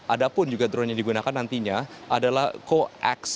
ada pun juga drone yang digunakan nantinya adalah co x